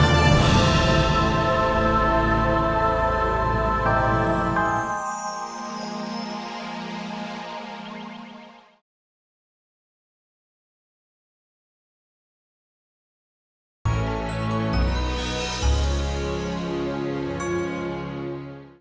sampai jumpa di video selanjutnya